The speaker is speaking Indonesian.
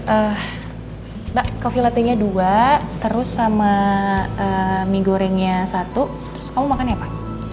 eh mbak kopi latte nya dua terus sama mie gorengnya satu terus kamu makan apa